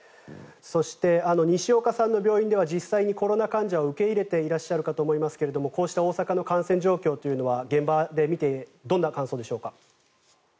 そして西岡さんの病院では実際にコロナ患者を受け入れていらっしゃるかと思いますがこうした大阪の感染状況というのは現場で見てどんな感想でしょうか？